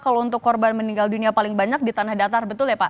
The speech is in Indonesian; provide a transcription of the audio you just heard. kalau untuk korban meninggal dunia paling banyak di tanah datar betul ya pak